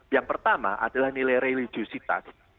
yang pertama adalah nilai religiositas